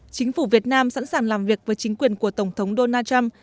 chính phủ việt nam sẵn sàng làm việc với chính quyền của tổng thống donald trump